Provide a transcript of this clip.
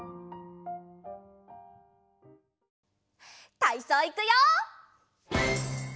たいそういくよ！